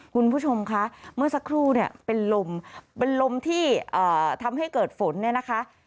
คุณผู้ชมคะเมื่อสักครู่เนี่ยเป็นลมเป็นลมที่ทำให้เกิดฝนเนี่ยนะคะ